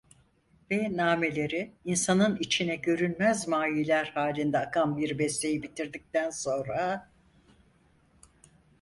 Ve nağmeleri insanın içine görünmez mayiler halinde akan bir besteyi bitirdikten sonra: